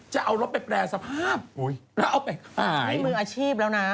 จะเอารถไปแปรสภาพแล้วเอาไปขายในมืออาชีพแล้วนะ